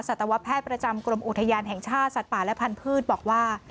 ตวแพทย์ประจำกรมอุทยานแห่งชาติสัตว์ป่าและพันธุ์บอกว่า